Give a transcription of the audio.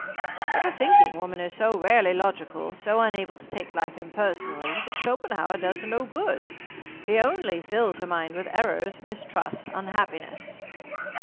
"But the thinking woman is so rarely logical, so unable to take life impersonally, that Schopenhauer does her no good. He only fills her mind with errors, mistrust, unhappiness."